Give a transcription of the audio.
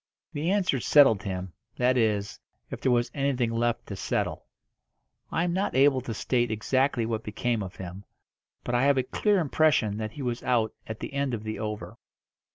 The answer settled him that is, if there was anything left to settle. I am not able to state exactly what became of him, but I have a clear impression that he was out at the end of the over.